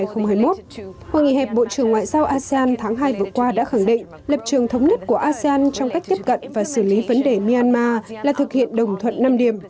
hội nghị hẹp bộ trưởng ngoại giao asean tháng hai vừa qua đã khẳng định lập trường thống nhất của asean trong cách tiếp cận và xử lý vấn đề myanmar là thực hiện đồng thuận năm điểm